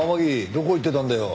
どこ行ってたんだよ。